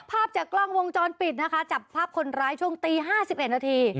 ภาพจากกล้องวงจรปิดนะคะจับภาพคนร้ายช่วงตี๕๑นาที